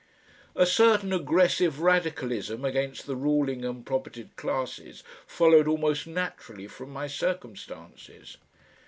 A certain aggressive radicalism against the ruling and propertied classes followed almost naturally from my circumstances.